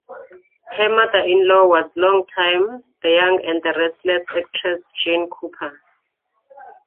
Her mother-in-law was long-time "The Young and the Restless" actress Jeanne Cooper.